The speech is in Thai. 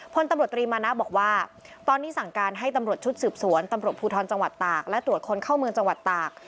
พลตำรวจตรีมานะบอกว่าตอนนี้สั่งการให้ตำรวจชุดสืบสวนตำรวจภูทรจังหวัดตากและตรวจคนเข้าเมืองจังหวัดตาก